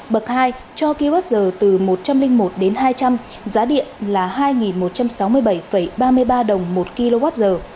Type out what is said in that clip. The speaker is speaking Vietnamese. bậc hai cho kwh từ một trăm linh một đến hai trăm linh giá điện là hai một trăm sáu mươi bảy ba mươi ba đồng một kwh